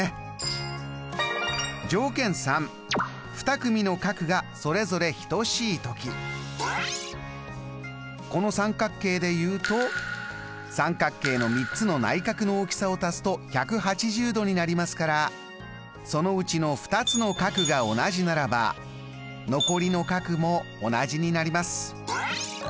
条件３この三角形で言うと三角形の３つの内角の大きさを足すと１８０度になりますからそのうちの２つの角が同じならば残りの角も同じになります。